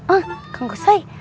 oh kang kushoi